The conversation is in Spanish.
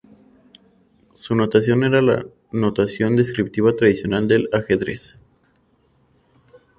Su notación era la notación descriptiva tradicional del ajedrez.